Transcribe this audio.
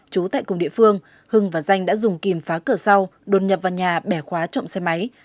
chú tại cùng địa phương hưng và danh đã dùng kìm phá cửa sau đồn nhập vào nhà bẻ khóa trộm xe máy